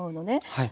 はい。